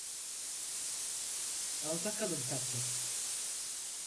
Al bakalım tatlım.